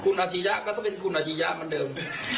คุณอาชียะก็ต้องเป็นคุณอาชียะเหมือนเดิม